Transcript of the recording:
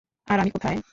আর আমি কোথায়?